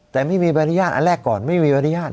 แต่ไม่มีบริญญาณอันแรกก่อนไม่มีบริญญาณ